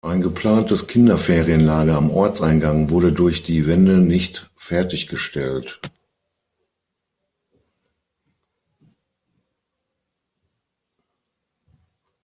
Ein geplantes Kinderferienlager am Ortseingang wurde durch die Wende nicht fertiggestellt.